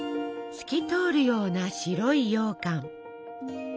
透き通るような白いようかん。